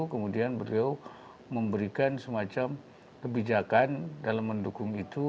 kemudian beliau memberikan semacam kebijakan dalam mendukung itu